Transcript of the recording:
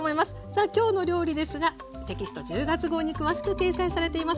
さあ今日の料理ですがテキスト１０月号に詳しく掲載されています。